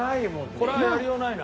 これはやりようないな。